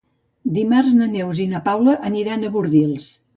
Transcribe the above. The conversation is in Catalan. Dimarts na Neus i na Paula aniran a Bordils.